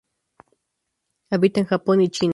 Habita en Japón y China.